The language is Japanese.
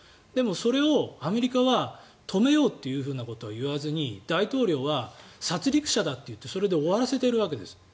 でも、それをアメリカは止めようということは言わずに大統領は殺りく者だといってそれで終わらせているわけです。